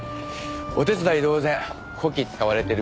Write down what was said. お手伝い同然こき使われてるみたいです。